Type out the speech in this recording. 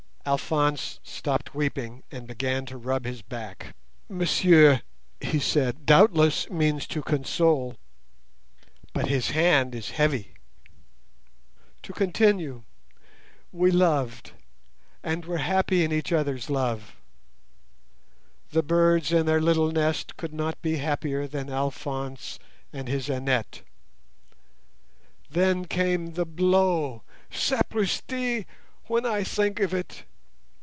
Alphonse stopped weeping, and began to rub his back. "Monsieur," he said, "doubtless means to console, but his hand is heavy. To continue: we loved, and were happy in each other's love. The birds in their little nest could not be happier than Alphonse and his Annette. Then came the blow—sapristi!—when I think of it.